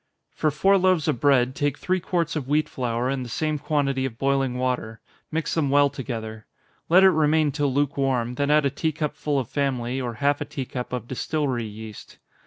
_ For four loaves of bread, take three quarts of wheat flour, and the same quantity of boiling water mix them well together. Let it remain till lukewarm, then add a tea cup full of family, or half a tea cup of distillery yeast.